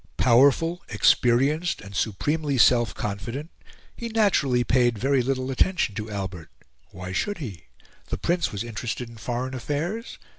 Powerful, experienced, and supremely self confident, he naturally paid very little attention to Albert. Why should he? The Prince was interested in foreign affairs?